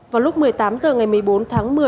vào lúc một mươi tám h ngày một mươi bốn tháng một mươi